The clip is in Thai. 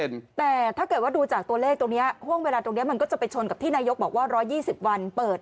แต่ถ้าเกิดว่าดูจากตัวเลขตรงนี้ห่วงเวลาตรงนี้มันก็จะไปชนกับที่นายกบอกว่า๑๒๐วันเปิด